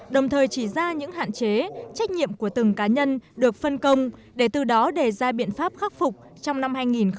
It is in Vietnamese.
đồng thời chỉ ra những hạn chế trách nhiệm của từng cá nhân được phân công để từ đó đề ra biện pháp khắc phục trong năm hai nghìn hai mươi